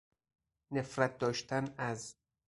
نفرت داشتن از